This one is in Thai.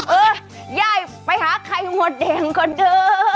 เออยายไปหาใครงวดแดงก่อนเด้อ